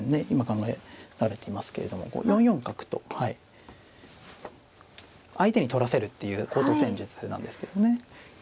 今考えられていますけれどもこう４四角と相手に取らせるっていう高等戦術なんですけどね。